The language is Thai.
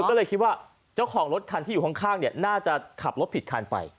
ก็เลยคิดว่าเจ้าของรถคันที่อยู่ข้างน่าจะขับรถผิดคันไป